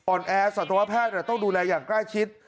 แอร์สัตวแพทย์ต้องดูแลอย่างใกล้ชิด